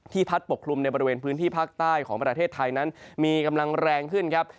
พัดปกคลุมในบริเวณพื้นที่ภาคใต้ของประเทศไทยนั้นมีกำลังแรงขึ้นครับ